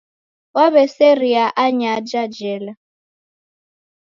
Waw'eseria anyaja jela.